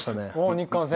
日韓戦？